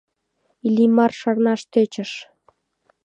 Иллимар шарнаш тӧчыш.